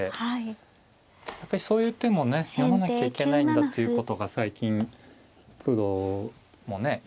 やっぱりそういう手もね読まなきゃいけないんだということが最近プロもね